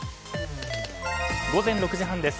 午前６時半です。